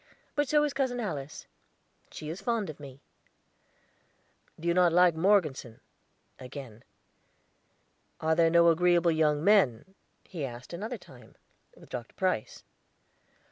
"But so is Cousin Alice, she is fond of me." "You do not like Morgeson?" again. "Are there no agreeable young men," he asked another time, "with Dr. Price?"